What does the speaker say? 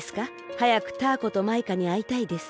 はやくタアコとマイカにあいたいです。